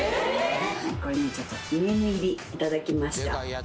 これねちょっとネーム入りいただきました。